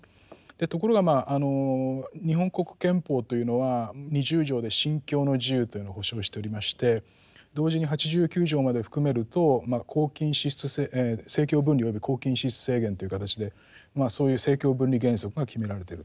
ところが日本国憲法というのは二十条で信教の自由というのを保障しておりまして同時に八十九条まで含めると政教分離および公金支出制限という形でそういう政教分離原則が決められてると。